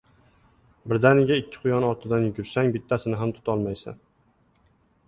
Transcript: • Birdaniga ikki quyon ortidan yugursang, bittasini ham tutolmaysan.